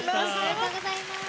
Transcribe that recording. おめでとうございます！